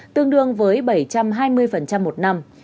tương đương với bảy trăm hai mươi một năm